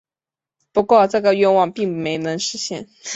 不过这个愿望并没能实现。